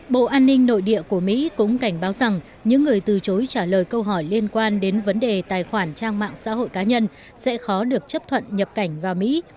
bộ an ninh nội địa của mỹ cũng cảnh báo rằng những người từ chối trả lời câu hỏi liên quan đến vấn đề tài khoản trang mạng xã hội cá nhân sẽ khó được chấp thuận nhập cảnh vào mỹ